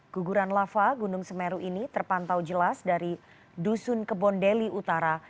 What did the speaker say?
guguran lava gunung semeru ini terpantau jelas dari dusun kebondeli utara